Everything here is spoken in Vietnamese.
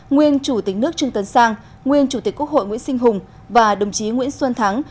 nguyên chủ tịch nước trương tân sang nguyên chủ tịch quốc hội nguyễn sinh hùng và đồng chí nguyễn xuân thắng